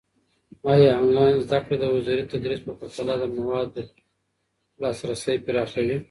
ايا انلاين زده کړه د حضوري تدريس په پرتله د موادو لاسرسی پراخوي؟